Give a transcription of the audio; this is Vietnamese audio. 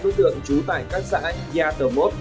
hai mươi tám tối tượng trú tại các xã gia tờ mốt